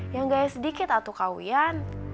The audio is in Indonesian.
yang gaya sedikit atuh kauyan